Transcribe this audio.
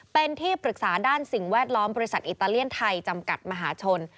เป็นที่ปรึกษาด้านสิ่งแวดล้อมบริษัทอิตาเลียนไทยจำกัดมหาชน